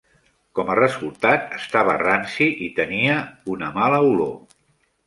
Com a resultat, estava ranci i tenia una mala olor.